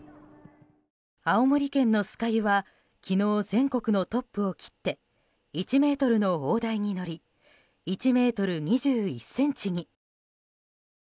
青森県の酸ヶ湯は昨日、全国のトップを切って１ｍの大台に乗り１ｍ２１ｃｍに。